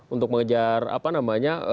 untuk mengejar apa namanya